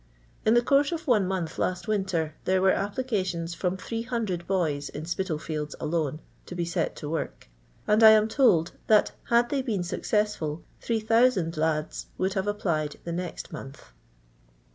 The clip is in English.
In j the course of one month last winter, there were applications from 800 boys in Spitalfields alone, to be set to work; and I am told, that had they been successful, 8000 lads would have ap plied the next month.